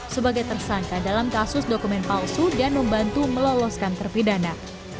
sebagai tersangka dalam kasus dokumen palsu dan membantu meloloskan terpidana